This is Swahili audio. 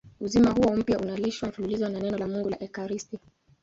Uzima huo mpya unalishwa mfululizo na Neno la Mungu na ekaristi.